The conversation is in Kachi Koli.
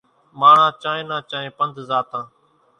ماڻۿان چانئين نان چانئين پنڌ زاتان۔